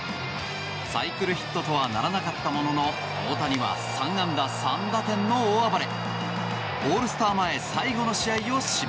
サイクルヒットとはならなかったものの大谷は３安打３打点の大暴れ。